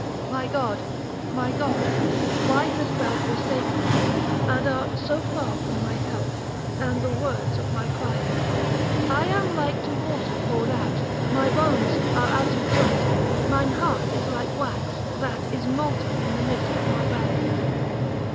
My God, my God, why hast thou forsaken me, and art so far from my health, and the words of my crying? I am like to water poured out, my bones are out of joint, mine heart is like wax, that is molten in the midst of my bowels.